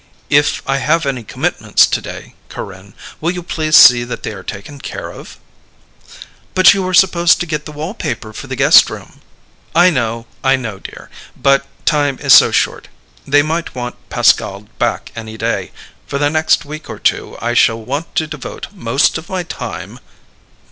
"If I have any commitments today, Corinne, will you please see that they are taken care of?" "But you were supposed to get the wallpaper for the guest room...." "I know, I know, dear. But time is so short. They might want Pascal back any day. For the next week or two I shall want to devote most of my time